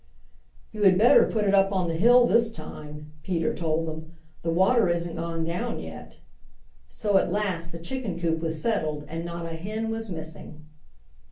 "You had better put it up on the hill this time," Peter told them. "The water isn't gone down yet." So at last the chicken coop was settled, and not a hen was missing.